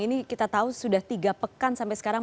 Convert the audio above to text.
ini kita tahu sudah tiga pekan sampai sekarang